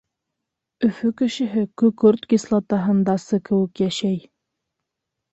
Өфө кешеһе көкөрт кислотаһындасы кеүек йәшәй.